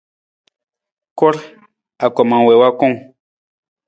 Kur, angkoma wii wa kung.